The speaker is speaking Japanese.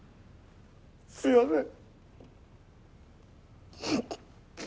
すみません。